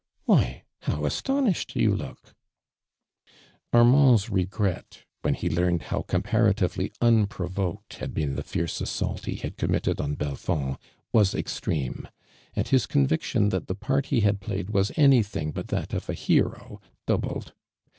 Why, how asto ni hed you look I" Armand's regret, when he learned how comparatively unpiovoked had been the fierce assault he had committed on Belfond, was extreme, and his conviction that tho jiai t he hail played was anything but that of a hero, doubled.